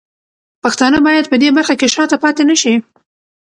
پښتانه باید په دې برخه کې شاته پاتې نه شي.